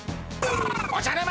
おじゃる丸！